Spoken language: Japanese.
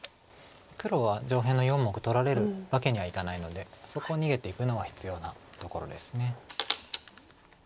黒は上辺の４目取られるわけにはいかないのでそこを逃げていくのは必要なところです。